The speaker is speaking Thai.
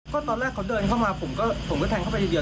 ก็ตอนแรกเขาเดินเข้ามาผมก็แทงเข้าไปทีเดียว